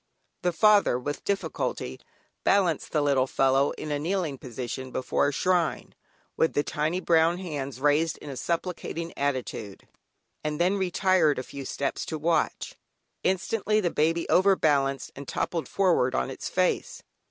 The father with difficulty balanced the little fellow in a kneeling position before a shrine, with the tiny brown hands raised in a supplicating attitude, and then retired a few steps to watch. Instantly the baby overbalanced and toppled forward on its face.